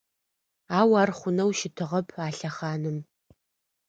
Ау ар хъунэу щытыгъэп а лъэхъаным…